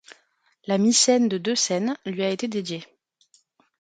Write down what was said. La Mycène de De Seynes lui a été dédiée.